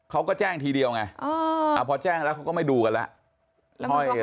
เขาก็แจ้งทีเดียวไงพอแจ้งแล้วเขาก็ไม่ดูกันแล้ว